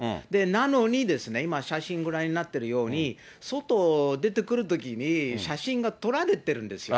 なのに、今、写真ご覧になってるように、外出てくるときに、写真が撮られてるんですよ。